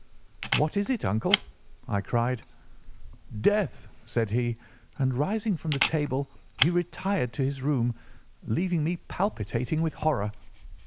"'What is it, uncle?' I cried. "'Death,' said he, and rising from the table he retired to his room, leaving me palpitating with horror.